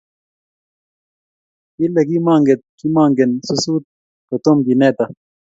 Kile kimakeet kimangen susut kotum kiineta